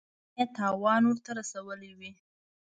نه یې تاوان ورته رسولی وي.